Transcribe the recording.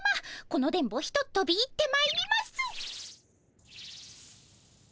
この電ボひとっとび行ってまいります。